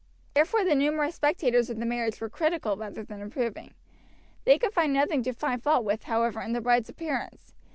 Therefore the numerous spectators of the marriage were critical rather than approving. They could find nothing to find fault with, however, in the bride's appearance.